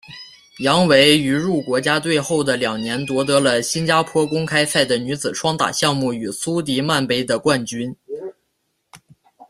杨维于入国家队后的两年夺得了新加坡公开赛的女子双打项目与苏迪曼杯的冠军。